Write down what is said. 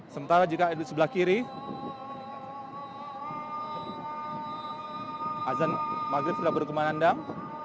sementara jika di sebelah kiri azan maghrib sudah berhenti memanandang